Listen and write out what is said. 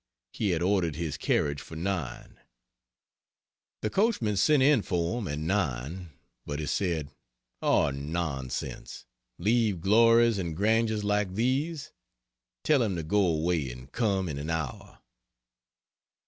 He had ordered his carriage for 9. The coachman sent in for him at 9; but he said, "Oh, nonsense! leave glories and grandeurs like these? Tell him to go away and come in an hour!"